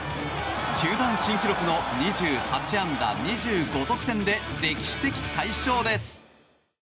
球団新記録の２８安打２５得点で歴史的快勝です。